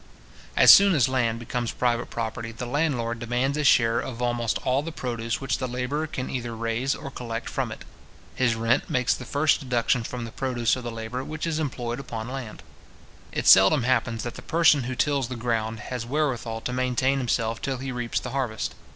As soon as land becomes private property, the landlord demands a share of almost all the produce which the labourer can either raise or collect from it. His rent makes the first deduction from the produce of the labour which is employed upon land. It seldom happens that the person who tills the ground has wherewithal to maintain himself till he reaps the harvest.